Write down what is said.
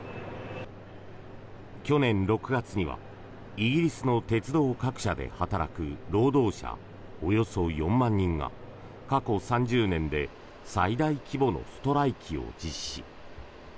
去年６月にはイギリスの鉄道各社で働く労働者およそ４万人が過去３０年で最大規模のストライキを実施。